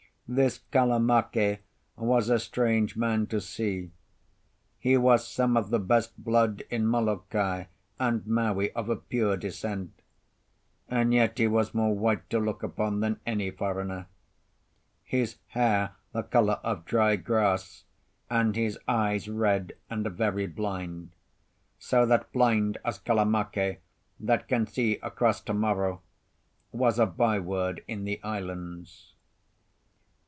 This Kalamake was a strange man to see. He was come of the best blood in Molokai and Maui, of a pure descent; and yet he was more white to look upon than any foreigner: his hair the colour of dry grass, and his eyes red and very blind, so that "Blind as Kalamake, that can see across to morrow," was a byword in the islands.